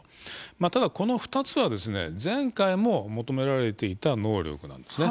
ただこの２つは前回も求められていた能力なんです。